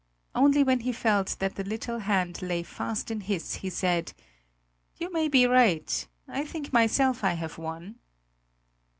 Only when he felt that the little hand lay fast in his, he said: "You may be right; I think myself I have won."